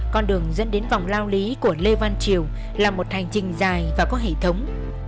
con đường dẫn đến vòng lao lý của lê văn triều là một hành trình dài và có hệ thống